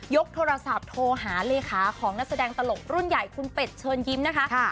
กโทรศัพท์โทรหาเลขาของนักแสดงตลกรุ่นใหญ่คุณเป็ดเชิญยิ้มนะคะ